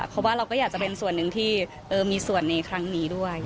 เพราะว่าเราก็อยากจะเป็นส่วนหนึ่งที่มีส่วนในครั้งนี้ด้วย